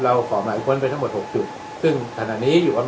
เราฝ่อหมายควรไปทั้งหมดหกจุดซึ่งฐานนี้อยู่บ้าง